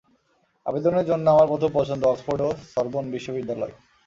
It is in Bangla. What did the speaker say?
আবেদনের জন্য আমার প্রথম পছন্দ অক্সফোর্ড এবং সরবোন বিশ্ববিদ্যালয়।